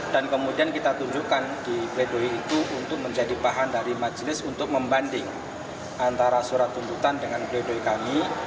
kemudian kita tunjukkan di pleidoi itu untuk menjadi bahan dari majelis untuk membanding antara surat tuntutan dengan pledoi kami